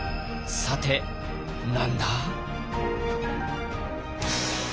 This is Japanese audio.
さて何だ？